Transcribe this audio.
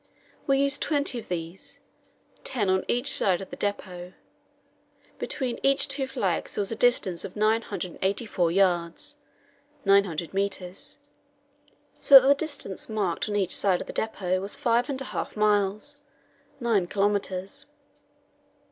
We used twenty of these ten on each side of the depot. Between each two flags there was a distance of 984 yards (900 metres), so that the distance marked on each side of the depot was five and a half miles (nine kilometres).